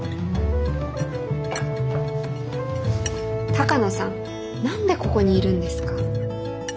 鷹野さん何でここにいるんですか？